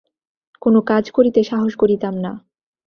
কোন কাজ করিতে সাহস করিতাম না।